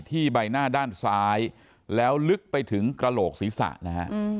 ใบหน้าด้านซ้ายแล้วลึกไปถึงกระโหลกศีรษะนะฮะ